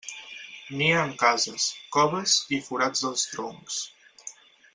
Nia en cases, coves i forats dels troncs.